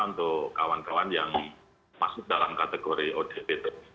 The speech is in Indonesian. untuk kawan kawan yang masuk dalam kategori odp